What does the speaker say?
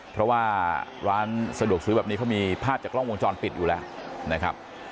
เพราะว่าร้านสะดวกซื้อแบบนี้เขามีภาพจากกล้องวงจรปิดอยู่แล้วนะครับ